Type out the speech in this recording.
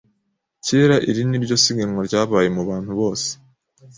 kera Iri ni ryo siganwa ryabaye mbantu bose